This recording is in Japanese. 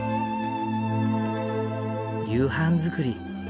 夕飯作り。